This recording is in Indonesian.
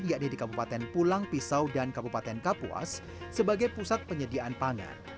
yakni di kabupaten pulang pisau dan kabupaten kapuas sebagai pusat penyediaan pangan